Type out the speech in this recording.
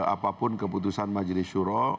apapun keputusan majelis syuro